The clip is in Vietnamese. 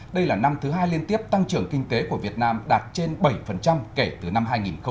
đây là năm thứ hai liên tiếp tăng trưởng kinh tế của việt nam đạt trên bảy kể từ năm hai nghìn một mươi